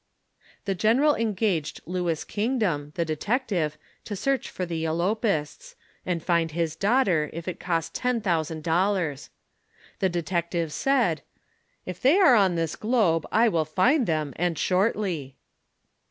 The general engaged Louis Kingdom, the detective, to search for the elopists, and find his daughter, if it cost ten thousand dollars. The detective said :" Tf they are on this globe, I will find them, and shortly."